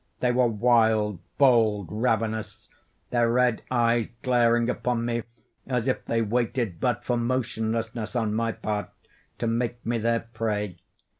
They were wild, bold, ravenous—their red eyes glaring upon me as if they waited but for motionlessness on my part to make me their prey.